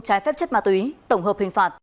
trái phép chất ma túy tổng hợp hình phạt